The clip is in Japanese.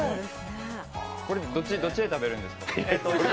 これ、どっちで食べるんですか？